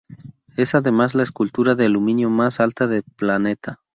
Es además la escultura de aluminio más alta del planeta.